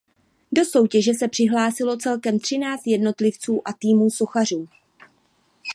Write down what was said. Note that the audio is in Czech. Do soutěže se přihlásilo celkem třináct jednotlivců a týmů sochařů.